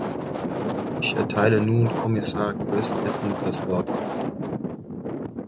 Ich erteile nun Kommissar Chris Patten das Wort.